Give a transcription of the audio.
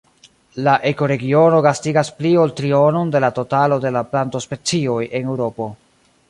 La ekoregiono gastigas pli ol trionon de la totalo de la plantospecioj en Eŭropo.